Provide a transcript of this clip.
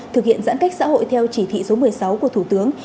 thực hiện giãn cách xã hội theo chỉ thị số một mươi sáu của thủ tướng